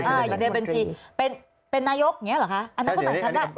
อย่างเดียวเป็นที่เป็นนายกอย่างนี้หรือคะ